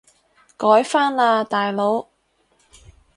改返喇大佬